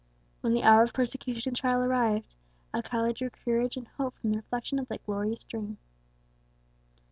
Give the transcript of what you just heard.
When the hour of persecution and trial arrived, Alcala drew courage and hope from the recollection of that glorious dream.